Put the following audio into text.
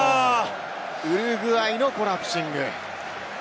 ウルグアイのコラプシング。